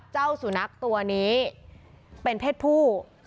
แจ้อ๋วสุนัขตัวไม่เห็นเพชรผู้